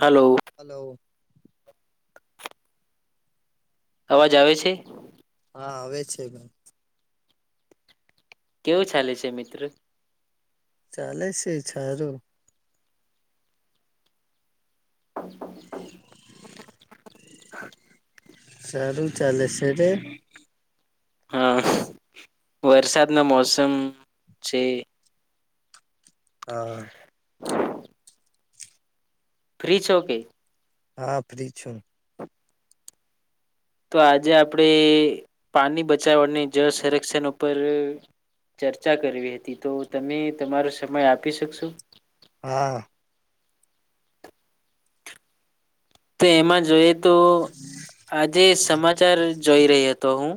Hello hello અવાજ આવે છે. હા આવે છે ભાઈ કેવું ચાલે છે મિત્ર ચાલે છે સારું [inaudible] [inaudible] સારુ ચાલે સેને હા વરસાદનો મોસમ છે. હા ફ્રી છો કે? હા ફ્રી છું. તો આજે આપણેે પાણી બચાવાને જળ સંરક્ષણ ઉપર ચર્ચા કરવી હતી તો તમે તમારો સમય આપી શકશો? હા. તો એમાં જોઈએ તો આજે સમાચાર જોઈ રહ્યો હતો હું.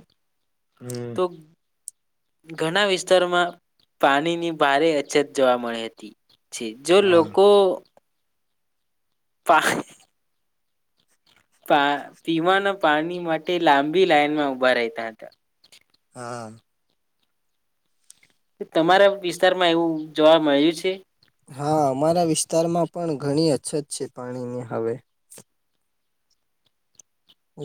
હમ્મ. તો ઘણા વિસ્તારોમાં પાણીની ભારે અછત જોવા મળી હતી. છે જો હા લોકો પા પા પીવાના પાણી માટે લાંબી લાઈનમાં ઉભા રહેતા હતા. હા. તમારા વિસ્તારમાં એવું જોવા મળ્યું છે? હા અમારા વિસ્તારમાં પણ ઘણી અછત છે પાણીની હવે.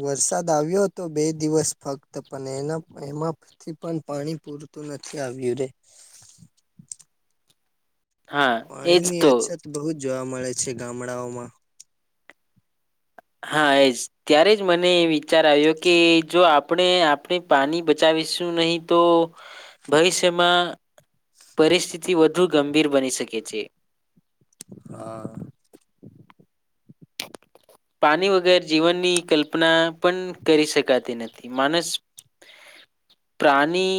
વરસાદ આવ્યો હતો બે દિવસ ફક્ત પણ એના એમાંથી પણ પાણી તુ નથી આવ્યુ રે [inaudible] હા એજ પાણીની તો અછત બહુ જ જોવા મળે છે ગામડાઓમા. હા એજ ત્યારે જ મને વિચાર આવ્યો કે જો આપણે આપણે પાણી બચાવ શું નહીં તો ભવિષ્યમાં પરિસ્થિતિ વધુ ગંભીર બની શકે છે. હા. પાણી વગર જીવનની કલ્પના પણ કરી શકાતી નથી માણસ પ્રાણી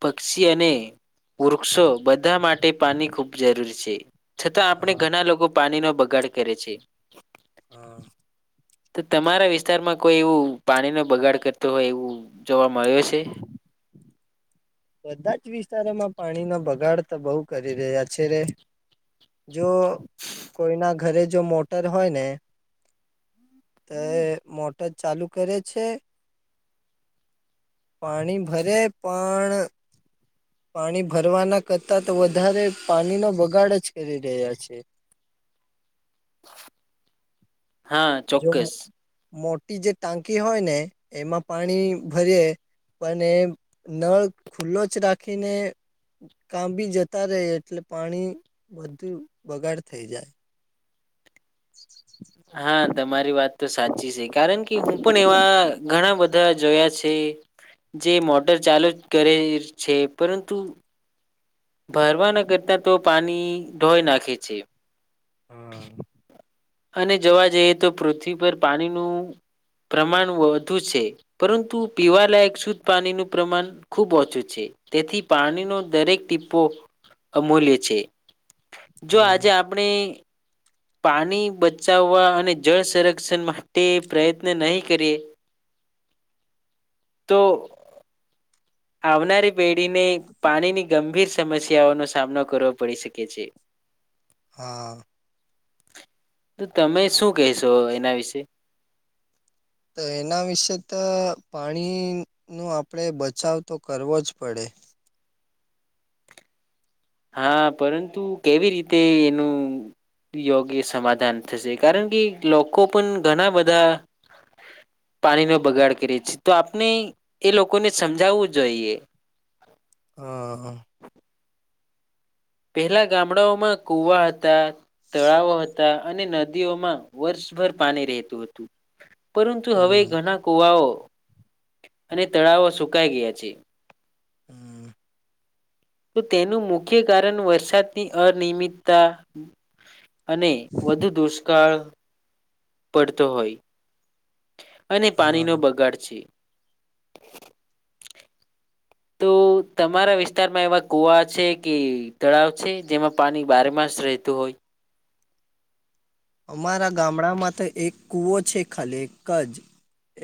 પક્ષી અને વૃક્ષો બધા માટે પાણી ખૂબ જરૂરી છે. છતાં આપણે હા ઘણા લોકો પાણીનો બગાડ કરે છે. [inaudible] તો તમારા વિસ્તારમાં કોઈ એવું પાણીનો બગાડ કરતો હોય એવું જોવા મળ્યો છે? [inaudible] બધા જ વિસ્તારોમાં પાણીનો બગાડ તો બહુ કરી રહ્યા છે રે. જો કોઈના ઘરે જો મોટર હોય ને. તે મોટર ચાલુ કરે છે. પાણી ભરે પણ પાણી ભરવાના કરતા તો વધારે પાણીનો બગાડ જ કરી રહ્યા છે. [inaudible] હા જો ચોક્કસ. મોટી જે ટાંકી હોય ને એમાં પાણી ભરીએે. પણ એ નળ ખુલ્લો જ રાખીને કામ બી જતા રહે એટલે પાણી વધુ બગાડ થઈ જાય. [inaudible] હા તમારી વાત તો સાચી છે કારણ કે હું પણ એવા ઘણા બ ધા જોયા છે જે મોટર ચાલુ જ કરે છે પરંતુ ભરવાના કરતા તો પાણી ધોઈ નાખે છે. હા અને જવા જઈએ તો પૃથ્વી પર પાણીનું પ્રમાણ વધુ છે પરંતુ પીવાલાયક શુદ્ધ પાણીનું પ્રમાણ ખુબ ઓછું છે. તેથી પાણીનો દરેક ટીપ્પો અમૂલ્ય છે. જો આજે હા આપણે પાણી બચાવવા અને જળ સંરક્ષણ માટે પ્રયત્ન નહી કરીએ. તો આવનારી પેઢીને પાણીની ગંભીર સમસ્યાઓનો સામનો કરવો પડી શકે છે. [inaudible] હા. તો તમે શું કહેશો એના વિશે. તો એના વિશે તો પાણીનો આપણેે બચાવ તો કરવો જ પડે. [inaudible] હા, પરંતુ કેવી રીતે એનું યોગ્ય સમાધાન થશે. કારણ કે લોકો પણ ઘણા બધા પાણીનો બગાડ કરીએ છે. તો આપણે એ લોકોને સમજાવું જોઈએ. હા પહેલા ગામડાઓમાં કુવા હતા, તળાવો હતા અને નદીઓમાં વર્ષ ભર પાણી રહેતું હતું. પરંતુ હવે હમ ઘણા કુવાઓ અને તળાવો સુકાઈ ગયા છે. હમ્મ. તો તેનું મુખ્ય કારણ વરસાદની અનિમિતતા અને વધુ દુષ્કાળ પડતો હોય. અને હા પાણીનો બગાડ છે. તો તમારા વિસ્તારમાં એવા કુવા છે કે તળાવ છે જેમાં પાણી બારેમાસ રહેેતુ હોય. અમારા ગામડામાં તો એક કૂવો છે. ખાલી એક જ.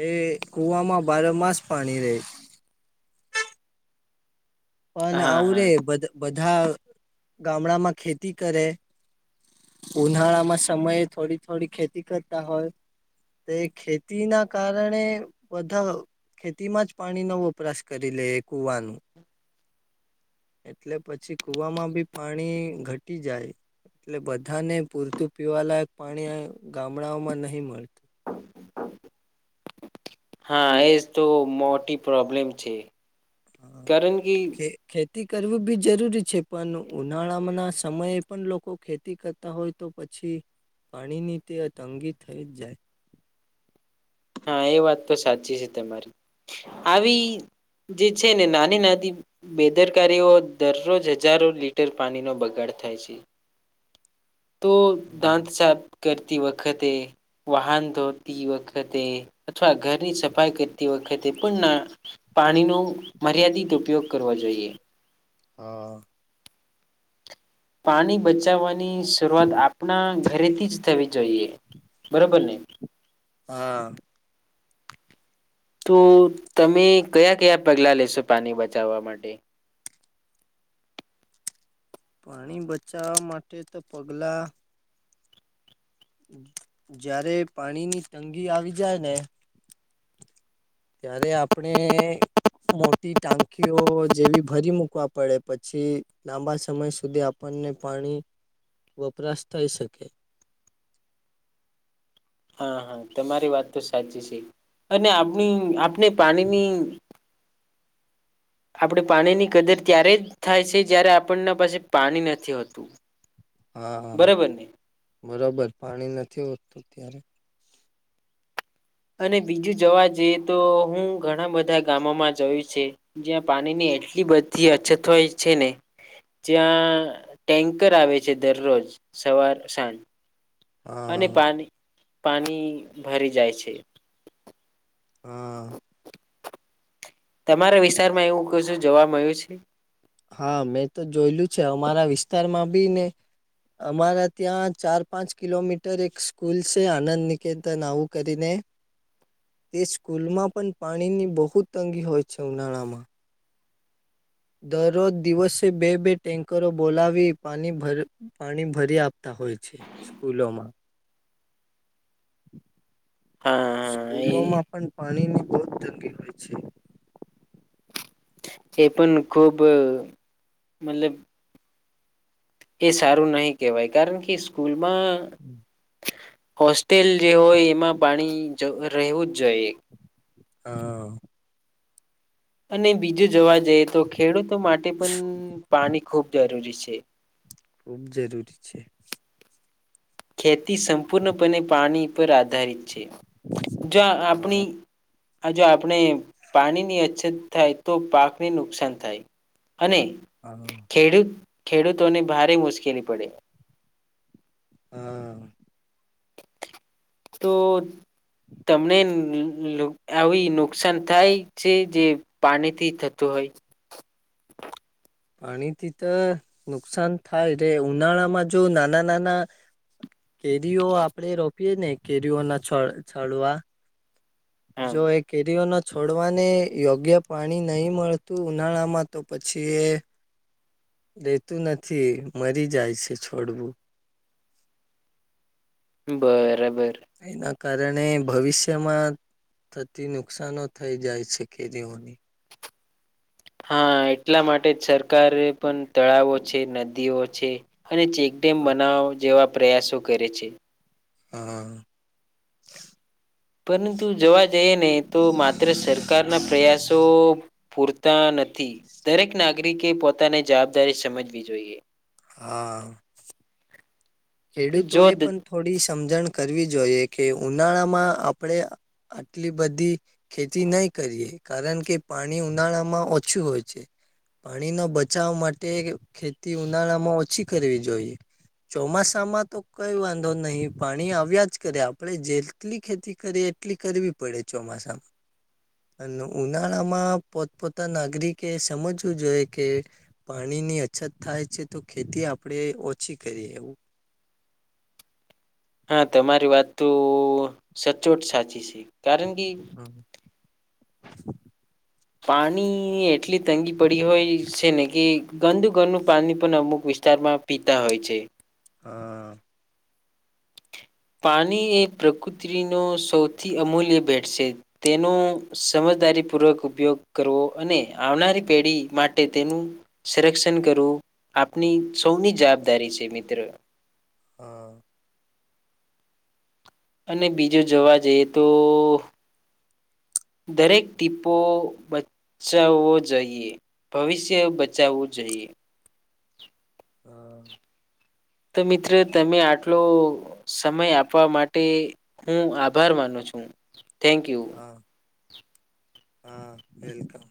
એ કુવામાં બારેમાસ પાણી રેય. પણ હા આવું રે હા બધ બધા ગામડામાં ખેતી કરે. ઉનાળામાં સમયે થોડી-થોડી ખેતી કરતા હોય. તે ખેતીના કારણે બધા ખેતીમાં જ પાણીનો વપરાશ કરી લે એ કુવાનું [inaudible] એટલે પછી કુવામાં બી પાણી ઘટી જાય. એટલે બધાને પૂરતું પીવાલાયક પાણી ગામડાઓમાં નહી મળતુ. હા, એજ તો મોટી પ્રોબ્લેમ છે. હન, કારણ કે ખે ખે તી કરવી બી જરૂરી છે. પણ ઉનાળામના સમયે પણ લોકો ખેતી કરતા હોય તો પ છી પાણીની તે તંગી થઈ જ જાય. [inaudible] હા, એ વાત તો સાચી છે તમારી. આવી જે છે ને નાની-નાની બેદરકારીઓ દરરોજ હજારો લીટર પાણીનો બગાડ થાય છે. તો દાંત સાફ કરતી વખતે, વાહન ધોતી વખતે, અથવા ઘરની સફાઈ કરતી વ ખતે પણ ના પાણીનો મર્યાદિત ઉપયોગ કરવા જોઈએ. હઅ. પાણી બચાવવાની શરૂઆત આપણા ધરેથી જ થવી જોઈએ. બરોબર ને. હા. તો તમે કયા કયા પગલા લેશો પાણી બચાવવા માટે? પાણી બચાવવા માટે તો પગલા જયારે પાણીની તંગી આવી જાય ને ત્યારે આપણે મોટી ટાંકીઓ જેવી ભરી મૂકવા પડે પછી લાંબા સમય સુધી આપણ ને પાણી વપરાશ થઈ શકે. હા, હા, તમારી વાત તો સાચી છે. અને આપણી આ ને પાણીની આપડે પાણીની કદર ત્યારે જ થાય છે જયારે આપણને પાસે પાણી નથી હોતું. હા બરાબર ને બરોબર પાણી નથી હોતું ત્યારે. અને બીજું જોવા જઈએ તો હું ઘણા બધા ગામોમાં જોયું છે જ્યાં પાણીની એટલી બધી અછત હોય છે ને જ્યાં ટેન્કર આવે છે દરરોજ સવાર સાંજ. અને હા પાણી પાણી ભરી જાય છે. હા. તમારા વિસ્તારમાં એવું કસુ જોવા મળ્યું છે. હા મેં તો જોયેલું છે અમારા વિસ્તારમાં બી ને અમારા ત્યાં ચાર પાંચ કિલોમીટર એક સ્કૂલ છે આનંદ નિકેતન આવું કરીને. તે સ્કૂલમાં પણ પાણીની બહુ તંગી હોય છે ઉનાળામાં. દરરોજ દિવસે બે બે ટેન્કરો બોલાવી પાણી ભર પાણી ભરી આપતા હોય છે સ્કૂલોમાં. હા શુ હા ગો માં એ પણ પાણીની બોવ તંગી હોય છે. જે પણ ખૂબ મતલબ એ સારું નહિ કેવાય કારણ કે સ્કૂલમાં હોસ્ટેલ જે હોય એમાં પાણી જ રહેવું જ જોઈએ. હા. અને બીજું જોવા જઈએ તો ખેડૂતો માટે પણ પાણી ખૂબ જરૂરી હે. ખુબ જરૂરી છે. ખેતી સંપૂર્ણપણે પાણી પર આધારિત છે જો હા આપણી આ જો આપણે પાણીની અછત થાય તો પાકને નુકસાન થાય. અને હા ખેડૂત ખેડૂતોને ભારે મુશ્કેલી પડે. હા. તો તમને આવી નુકસાન થાય છે જે પાણી થી થતું હોય. [inaudible] પાણીથી તો નુકસાન થાય રે ઉનાળામાં જો નાના નાના. [inaudible] કેરીઓ આપડે રોપીએ ને કેરીઓના છો ચોલવા હા જો એ કેરીઓ ન છોડવાને યોગ્ય પાણી નહી મળતું ઉનાળામાં તો પછી લેતું નથી મરી જાય છે છોડવું. બરાબર. તયના કારણે ભવિષ્યમાં થતી નુકશનો થઈ જાય છે કેરીઓને. હા એટલા માટે જ સરકારે પણ તળાવો છે નદીઓ છે. અને ચેકડેમ બનાવો જેવા પ્રયાસો કરે છે. હા. પરંતુ જોવા જઈએ ને તો માત્ર સરકારના પ્રયાસો પૂરતા નથી દરેક નાગરિકે પોતાને જવાબદારી સમજવી જોઈએ. હા. જો ખેડૂતોએ દ- પણ થોડી સમજણ કરવી જોઈએ કે ઉનાળામાં આપણે આટલી બધી ખેતી નહીં કરીએ. કારણ કે પાણી ઉનાળામાં ઓછું હોય છે પાણીનો બચાવ માટે. ખેતી ઉનાળામાં ઓછી કરવી જોઈએ ચોમાસ માં તો કઈ વાંધો નહીં પાણી આવ્યા જ કરે આપડે જેટલી ખેતી કરીએ એટલી કરવી. પડે ચોમાસામાં અને ઉનાળામાં પોતપોતા નાગરિકે સમજવું જોઈએ કે પાણી ની અછત થાય છે તો ખેતી આપડે ઓછી કરીએ એવું હા તમારી વાત તો સચોટ સાચી છે કારણ કે હમ. [inaudible] પાણી એટલી તંગી પડી હોય છે ને કે ગંદુ ઘરનું પાણી પણ અમુક વિ વિસ્તારમાં પીતા હોય છે. હા પાણી એ પ્રકૃતિનો સૌથી અમૂલ્ય ભેટ છે તેનો સમય દારી પૂર્વક ઉપયોગ કરવો અને આવનારી પેઢી માટે તેનું સંરક્ષણ કરવું આપની સૌની જવાબદારી છે મિત્રો હમ અને બીજું જોવા જઈએ તો દરેક ટીપો બચાવવો જોઈએ ભવિષ્ય બચાવવું જોઈએ. એ હ તો મિત્ર તમે આટલો સમય આપવા માટે હું આભાર માનું છું થેન્ક યુ હા હા વેલકમ